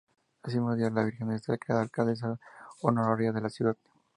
Ese mismo día la virgen es declarada Alcaldesa Honoraria de la ciudad.